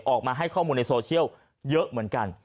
ออกมาให้ข้อมูลในโซเชียลเยอะเหมือนกัน